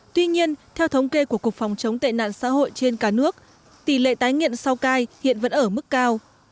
tuy nhiên theo thống kê của cục phòng chống tệ nạn xã hội trên cả nước tỷ lệ tái nghiện sau cai hiện vẫn ở mức cao